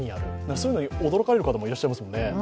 そういうのに驚かれる方もいらっしゃいますもんね。